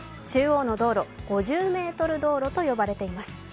中央の道路、５０ｍ道路と呼ばれています。